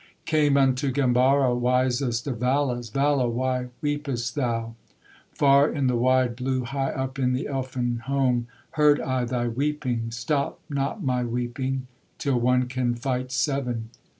Came unto Gambara, Wisest of Valas, 'Vala, why weepest thou? Far in the wide blue, High up in the Elfin home, Heard I thy weeping.' 'Stop not my weeping, Till one can fight seven.